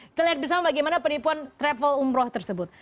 kita lihat bersama bagaimana penipuan travel umroh tersebut